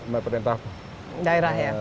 pemerintah daerah ya